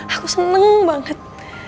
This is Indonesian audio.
aku seneng banget